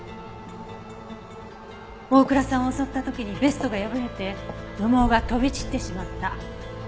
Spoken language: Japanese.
大倉さんを襲った時にベストが破れて羽毛が飛び散ってしまった。